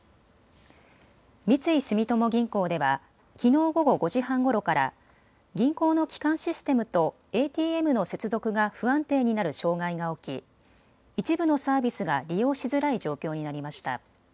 三井住友銀行ではきのう午後５時半ごろから銀行の基幹システムとＡＴＭの接続が不安定になる障害が起き一部のサービスが利用しづらい状況になりました。